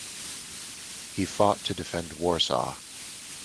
He fought to defend Warsaw.